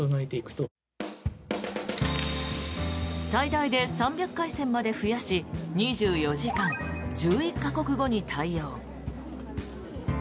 最大で３００回線まで増やし２４時間１１か国語に対応。